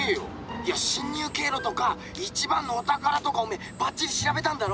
いや侵入経路とか一番のお宝とかおめえばっちり調べたんだろ？